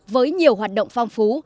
với nhiều hoạt động phong phú